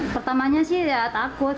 pertamanya saya takut